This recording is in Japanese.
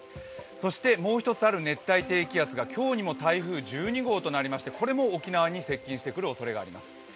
そしてもう一つある熱帯低気圧が今日にも台風１２号となりまして、これも沖縄に接近してくるおそれがあります。